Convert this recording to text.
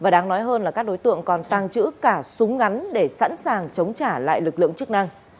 đối tượng còn tăng chữ cả súng ngắn để sẵn sàng chống trả lại lực lượng chức năng